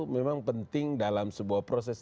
memang penting dalam sebuah proses